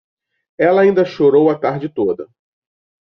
Ela ainda chorou a tarde toda.